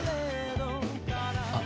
あっ。